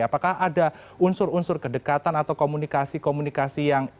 apakah ada unsur unsur kedekatan atau komunikasi komunikasi yang